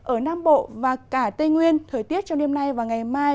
ở nam bộ và cả tây nguyên thời tiết trong đêm nay và ngày mai